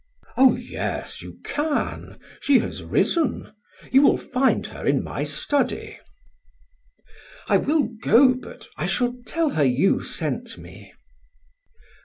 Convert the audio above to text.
"Oh, yes, you can; she has risen. You will find her in my study." "I will go, but I shall tell her you sent me!"